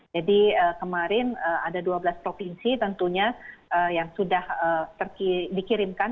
jadi kemarin ada dua belas provinsi tentunya yang sudah dikirimkan